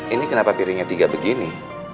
ini kenapa piringnya tiga begini